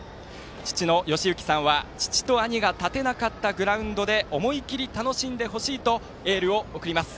父の義之さんは父と兄が立てなかったグラウンドで思い切り楽しんでほしいとエールを送ります。